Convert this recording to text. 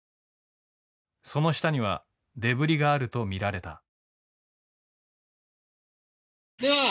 その下にはデブリがあると見られた。